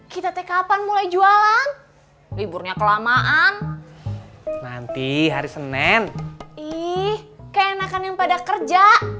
kita teh kapan mulai jualan liburnya kelamaan nanti hari senin ih keenakan yang pada kerja